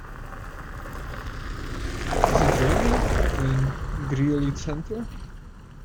Is it rainy in Greely Center?